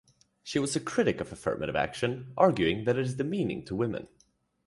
She was a critic of affirmative action, arguing that it is demeaning to women.